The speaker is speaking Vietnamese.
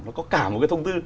nó có cả một cái thông tư